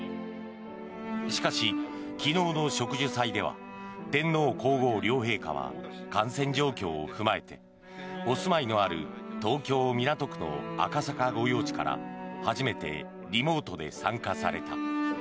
しかし、昨日の植樹祭では天皇・皇后両陛下は感染状況を踏まえてお住まいのある東京・港区の赤坂御用地から初めてリモートで参加された。